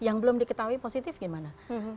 yang belum diketahui positif gimana